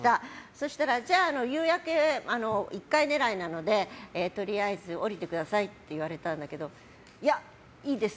そうしたら夕焼け１回狙いなのでとりあえず下りてくださいって言われたんだけどいや、いいです。